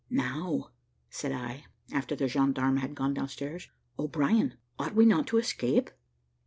"Now," said I, after the gendarme had gone down stairs, "O'Brien, ought we not to escape?"